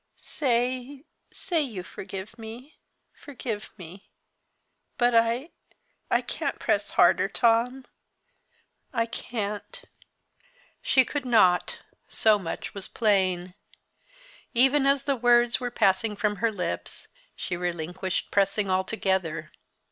Say say you forgive me forgive me! but I I can't press harder, Tom I can't!" She could not so much was plain. Even as the words were passing from her lips, she relinquished pressing altogether.